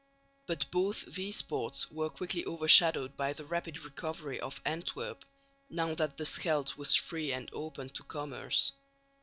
But both these ports were quickly overshadowed by the rapid recovery of Antwerp, now that the Scheldt was free and open to commerce.